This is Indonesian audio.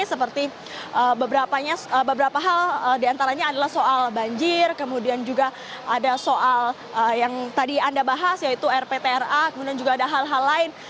seperti beberapa hal diantaranya adalah soal banjir kemudian juga ada soal yang tadi anda bahas yaitu rptra kemudian juga ada hal hal lain